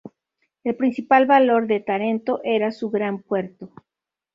El principal valor de Tarento era su gran puerto.